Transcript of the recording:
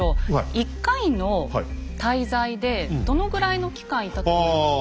１回の滞在でどのぐらいの期間いたと思いますか？